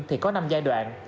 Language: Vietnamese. thì có năm giai đoạn